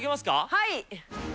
はい。